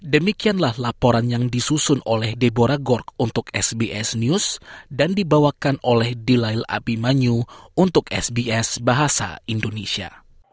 demikianlah laporan yang disusun oleh debora gorg untuk sbs news dan dibawakan oleh delail abimanyu untuk sbs bahasa indonesia